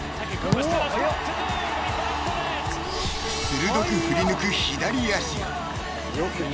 ［鋭く振り抜く左足］